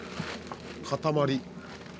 塊。